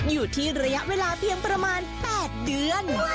อยู่ที่ระยะเวลาเพียงประมาณ๘เดือน